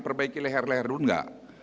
perbaiki leher leher dulu nggak